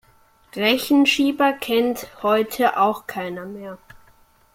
Rechenschieber kennt heute auch keiner mehr.